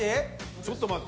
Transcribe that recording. ちょっと待って。